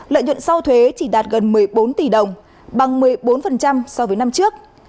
lợi nhuận sau thuế chỉ đạt gần một mươi bốn tỷ đồng bằng một mươi bốn so với năm trước